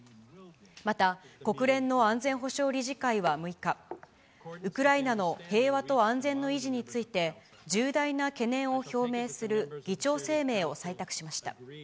また、国連の安全保障理事会は６日、ウクライナの平和と安全の維持について、重大な懸念を表明する議長声明を採択しました。